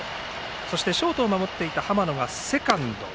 そしてショートを守っていた浜野がセカンド。